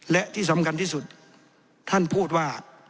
และที่สำคัญที่สุดท่านพูดว่า